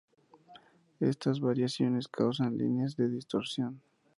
Estas variaciones causan líneas de distorsión.